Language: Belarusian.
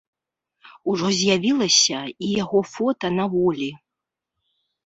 Ужо з'явілася і яго фота на волі.